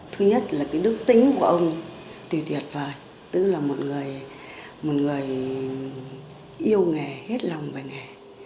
thứ nhất là cái đức tính của ông tùy tuyệt vời tức là một người yêu nghề hết lòng về nghề